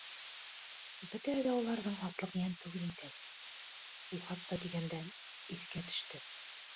Бөтәһе лә уларҙың һатлыҡ йән түгел бит әле. һыуһатты тигәндән... иҫкә төштө.